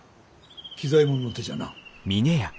喜左衛門の手じゃな。